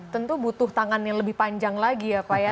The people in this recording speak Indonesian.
tentu butuh tangan yang lebih panjang lagi ya pak ya